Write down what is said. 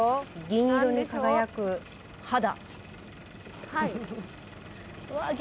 銀色に輝く肌。